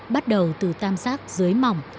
bắt đầu từ tam giác dưới mỏng